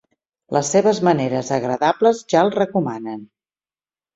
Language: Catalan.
Les seves maneres agradables ja el recomanen.